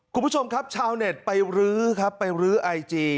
คุณผู้ชมครับชาวเน็ตไปรื้อครับไปรื้อไอจี